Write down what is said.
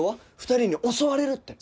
２人に襲われるって。